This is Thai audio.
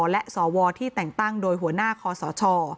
และสวที่แต่งตั้งโดยหัวหน้าคอสช